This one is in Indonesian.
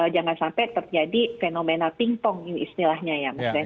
jangan sampai terjadi fenomena ping pong ini istilahnya ya